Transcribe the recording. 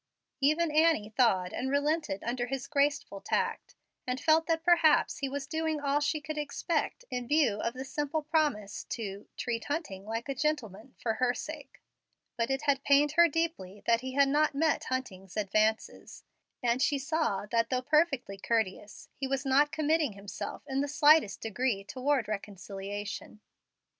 Even Annie thawed and relented under his graceful tact, and felt that perhaps he was doing all she could expect in view of the simple promise to "treat Hunting like a gentleman, for her sake." But it had pained her deeply that he had not met Hunting's advances; and she saw that, though perfectly courteous, he was not committing himself in the slightest degree toward reconciliation.